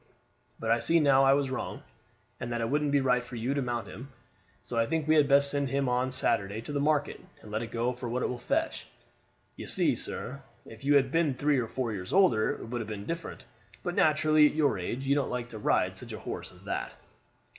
But I see now I was wrong, and that it wouldn't be right for you to mount him; so I think we had best send him in on Saturday to the market and let it go for what it will fetch. You see, sir, if you had been three or four years older it would have been different; but naturally at your age you don't like to ride such a horse as that."